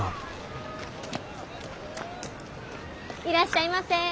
いらっしゃいませ。